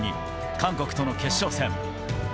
韓国との決勝戦。